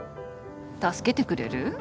助けてくれる？